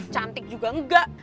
cantik juga enggak